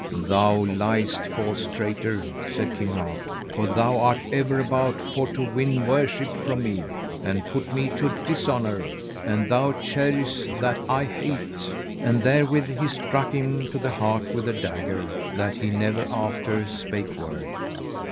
Thou liest, false traitor, said King Mark, for thou art ever about for to win worship from me, and put me to dishonour, and thou cherishest that I hate. And therewith he struck him to the heart with a dagger, that he never after spake word.